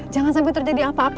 jangan sampai terjadi apa apa